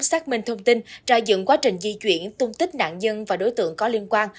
xác minh thông tin ra dựng quá trình di chuyển tung tích nạn nhân và đối tượng có liên quan